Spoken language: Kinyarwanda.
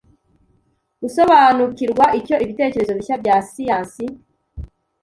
gusobanukirwa icyo ibitekerezo bishya bya siyansi